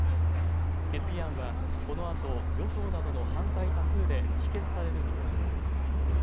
決議案はこのあと与党などの反対多数で否決される見通しです。